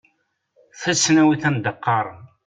Tasnawit anda qqaren.